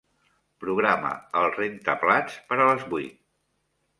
Programa el rentaplats per a les vuit.